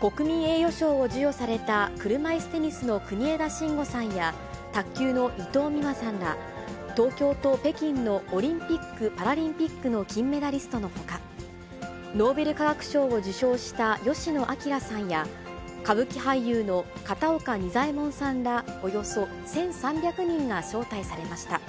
国民栄誉賞を授与された車いすテニスの国枝慎吾さんや、卓球の伊藤美誠さんら、東京と北京のオリンピック・パラリンピックの金メダリストのほか、ノーベル化学賞を受賞した吉野彰さんや、歌舞伎俳優の片岡仁左衛門さんらおよそ１３００人が招待されました。